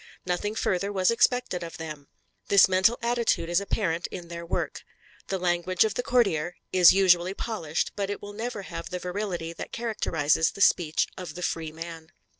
Nothing further was expected of them. This mental attitude is apparent in their work. The language of the courtier is usually polished, but will never have the virility that characterizes the speech of the free man.